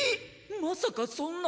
まさかそんな。